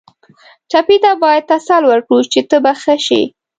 ټپي ته باید تسل ورکړو چې ته به ښه شې.